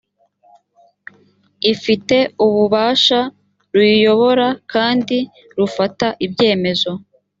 ifite ububasha ruyiyobora kandi rufata ibyemezo